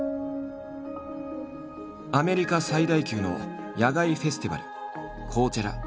アメリカ最大級の野外フェスティバル